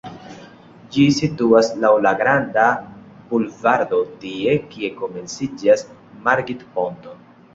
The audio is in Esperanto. Ĝi situas laŭ la "Granda Bulvardo" tie, kie komenciĝas Margit-ponto.